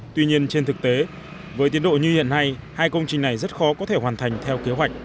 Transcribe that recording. tuy nhiên trên thực tế với tiến độ như hiện nay hai công trình này rất khó có thể hoàn thành theo kế hoạch